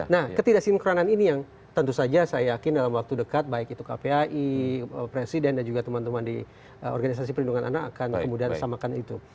nah ketidaksinkronan ini yang tentu saja saya yakin dalam waktu dekat baik itu kpai presiden dan juga teman teman di organisasi perlindungan anak akan kemudian samakan itu